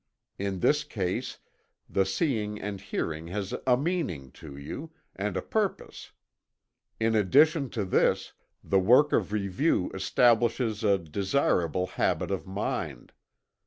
In this case the seeing and hearing has "a meaning" to you, and a purpose. In addition to this, the work of review establishes a desirable habit of mind.